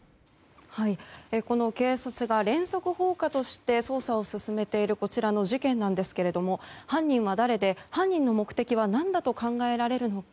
警察が連続放火として捜査を進めているこちらの事件なんですけれども犯人が誰で犯人の目的は何だと考えられるのか。